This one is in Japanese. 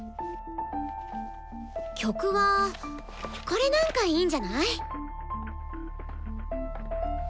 曲はこれなんかいいんじゃない？